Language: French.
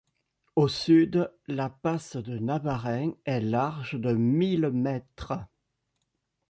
Au sud, la passe de Navarin, est large de mille mètres.